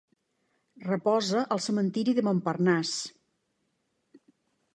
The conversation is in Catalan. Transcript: Reposa al cementiri de Montparnasse.